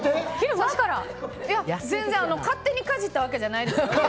全然、勝手にかじったわけじゃないですよ。